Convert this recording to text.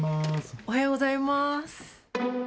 おはようございます。